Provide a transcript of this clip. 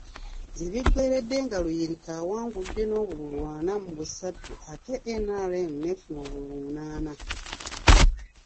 Gye biggweeredde nga Luyirika awangudde n’obululu ana mu busatu ate NRM n’efuna obululu munaana.